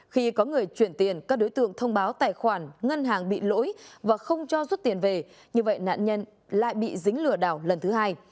khi có người chuyển tiền các đối tượng thông báo tài khoản ngân hàng bị lỗi và không cho rút tiền về như vậy nạn nhân lại bị dính lừa đảo lần thứ hai